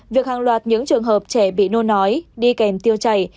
việc hàng loạt những trường hợp trẻ bị nôn nói đi kèm tiêu chảy